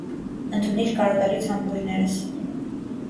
Ընդունիր կարոտալից համբույրներս: